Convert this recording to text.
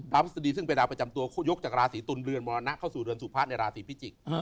พฤษฎีซึ่งเป็นดาวประจำตัวเขายกจากราศีตุลเรือนมรณะเข้าสู่เรือนสุพะในราศีพิจิกษ์